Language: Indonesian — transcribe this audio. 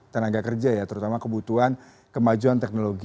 tenaga kerja ya terutama kebutuhan kemajuan teknologi